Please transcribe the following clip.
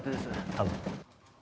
多分。